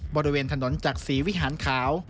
บริเวณถนนจากศรีวิหารขาว